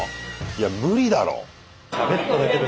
いや無理だろ。